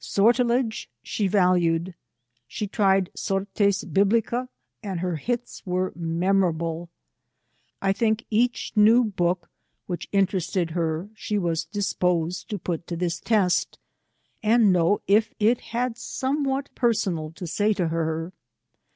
'' Sortilege she valued. She tried sortes bibliccBj and her hits were memorable. I think each new book which in terested her, she was disposed to put to this test, and know if it had somewhat personal to say to her.